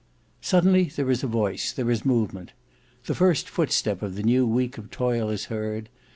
Suddenly there is a voice, there is movement. The first footstep of the new week of toil is heard.